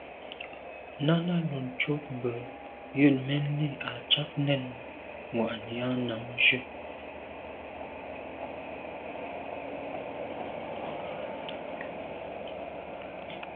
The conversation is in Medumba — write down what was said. Náná lùcúp mbə̄ jə̂nə̀ mɛ́n lî à’ cák nɛ̂n mwà’nì á nǎmjʉ́.